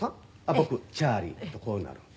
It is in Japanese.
僕チャーリー。とこうなる。